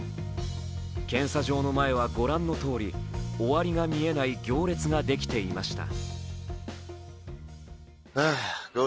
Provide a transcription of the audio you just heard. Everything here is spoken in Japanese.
検査場の前はご覧のとおり終わりが見えない行列ができていました。